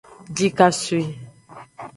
Jikasoi.